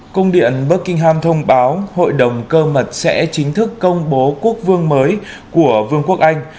cung điện buckingham thông báo hội đồng cơ mật sẽ chính thức công bố quốc vương mới của vương quốc anh